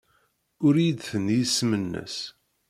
Ur iyi-d-tenni isem-nnes.